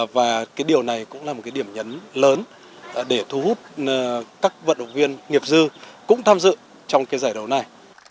và cái điều này cũng là một cái điểm nhấn lớn để thu hút các vận động viên nghiệp dư cũng tham dự trong cái giải đấu này